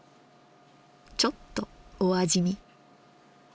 ちょっとお味見。